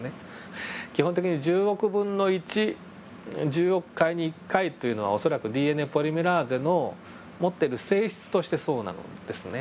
基本的に１０億分の１１０億回に１回というのは恐らくＤＮＡポリメラーゼの持っている性質としてそうなのですね。